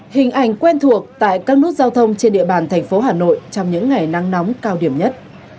hình ảnh quen thuộc tại các nút giao thông trên địa bàn thành phố hà nội trong những ngày nắng nóng cao điểm nhất